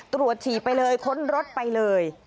ฉี่ไปเลยค้นรถไปเลย